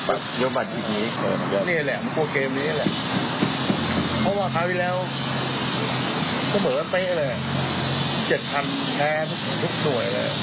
กรอกต่อล่ะครับอ๋อกรอกต่อแล้วโอ้ที่กรอกต่อล่ะครับ